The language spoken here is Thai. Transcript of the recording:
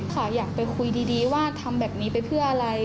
ค่ะอยากไปคุยดีว่าทำแบบนี้ไปเพื่ออะไร